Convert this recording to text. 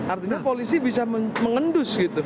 artinya polisi bisa mengendus gitu